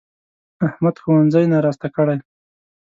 احمد ښوونځی ناراسته کړی.